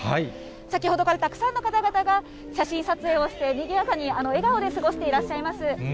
先ほどからたくさんの方々が写真撮影をして、にぎやかに笑顔で過ごしていらっしゃいます。